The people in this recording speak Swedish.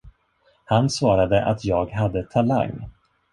Han svarade att jag hade talang.